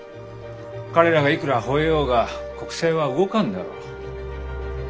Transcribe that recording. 彼らがいくらほえようが国政は動かんだろう？